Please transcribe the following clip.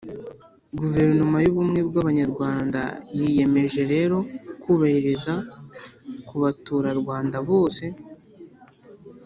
guverinoma y'ubumwe bw'abanyarwanda yiyemeje rero kubahiriza ku baturarwanda bose